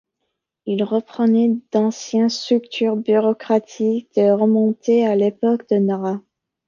Il reprenait d'anciennes structures bureaucratiques qui remontaient à l'époque de Nara.